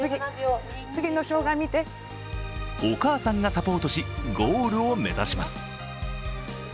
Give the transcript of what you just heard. お母さんがサポートしゴールを目指します。